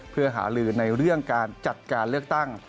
เพื่อหาลือในเรื่องการจัดการเลือกตั้ง